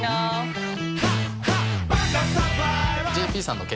ＪＰさんの。